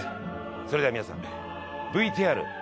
それでは皆さんＶＴＲスタート